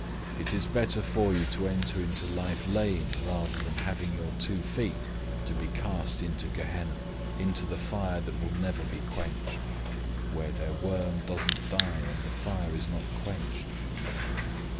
It is better for you to enter into life lame, rather than having your two feet to be cast into Gehenna,{or, Hell} into the fire that will never be quenched 009:046 'where their worm doesn't die, and the fire is not quenched.'